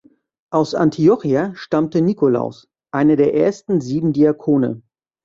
Aus Antiochia stammte Nikolaus, einer der ersten Sieben Diakone.